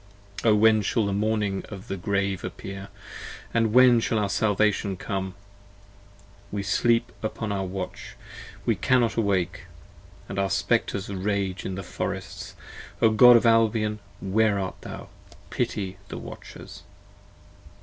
O when shall the morning of the grave appear, and when Shall our salvation come? we sleep upon our watch, We cannot awake; and our Spectres rage in the forests, O God of Albion where art thou; pity the watchers!